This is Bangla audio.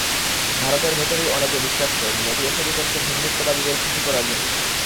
ভারতের ভেতরেই অনেকে বিশ্বাস করেন, মোদি এসবই করেছেন হিন্দুত্ববাদীদের খুশি করার জন্য।